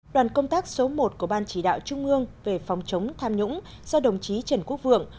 đoàn công tác số một của ban chỉ đạo trung ương về phòng chống tham nhũng do đồng chí trần quốc vượng